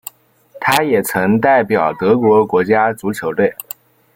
他也曾代表德国国家足球队。